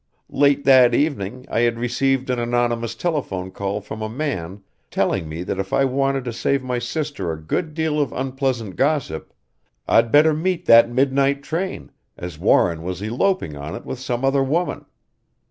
Late that evening I had received an anonymous telephone call from a man telling me that if I wanted to save my sister a good deal of unpleasant gossip, I'd better meet that midnight train as Warren was eloping on it with some other woman.